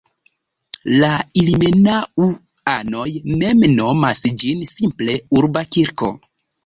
La ilmenau-anoj mem nomas ĝin simple "Urba kirko".